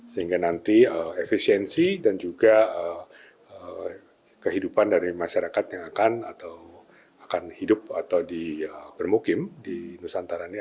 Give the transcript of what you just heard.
sehingga nanti efisiensi dan juga kehidupan dari masyarakat yang akan hidup atau dipermukim di nusantara ini